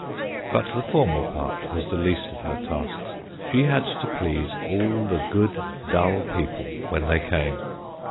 But the formal part was the least of her tasks : she had to please all the good, dull people when they came.